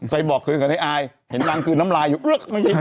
ใครบอกเกิดในอายเห็นนางคืนน้ำลายอยู่เรื่องนี้